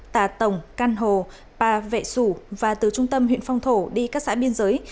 tà tổng can hồ pa vệ sủ và từ trung tâm huyện phong thổ đi các xã biên giới